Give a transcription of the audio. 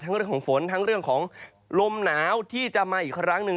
เรื่องของฝนทั้งเรื่องของลมหนาวที่จะมาอีกครั้งหนึ่ง